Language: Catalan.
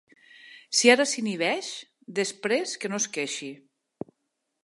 Si ara s'inhibeix, després que no es queixi.